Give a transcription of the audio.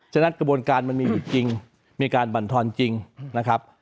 ฉะนั้นกระบวนการมันมีอยู่จริงมีการบรรทอนจริงนะครับ